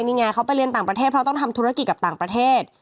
นี่ไงเขาไปเรียนต่างประเทศเพราะต้องทำธุรกิจกับต่างประเทศ